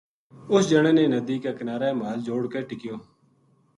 اُس جنا نے ند ی کے کنارے محل جوڑ کے ٹکیو